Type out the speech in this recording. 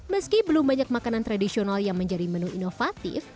meski belum banyak makanan tradisional yang menjadi menu inovatif